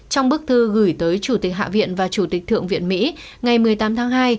trong bức thư gửi tới chủ tịch hạ viện và chủ tịch thượng viện mỹ ngày một mươi tám tháng hai